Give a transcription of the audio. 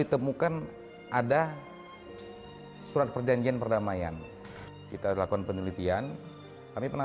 itu bukan orang itu di penjara